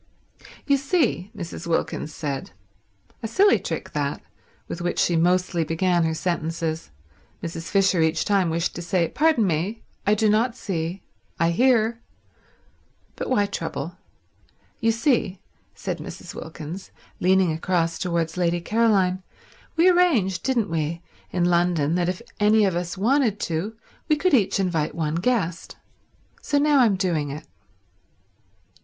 "You see," Mrs. Wilkins said—a silly trick that, with which she mostly began her sentences; Mrs. Fisher each time wished to say, "Pardon me—I do not see, I hear"—but why trouble?—"You see," said Mrs. Wilkins, leaning across towards Lady Caroline, "we arranged, didn't we, in London that if any of us wanted to we could each invite one guest. So now I'm doing it."